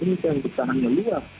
itu yang bertahan yang luas